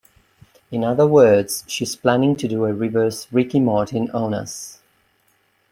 In other words, she's planning to do a reverse Ricky Martin on us.